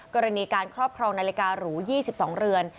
กรณีการครอบครองนาฬิการู๒๒เรือน